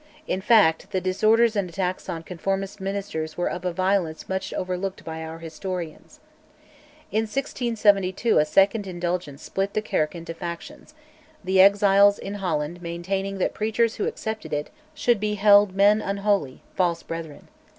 In fact, the disorders and attacks on conformist ministers were of a violence much overlooked by our historians. In 1672 a second Indulgence split the Kirk into factions the exiles in Holland maintaining that preachers who accepted it should be held men unholy, false brethren.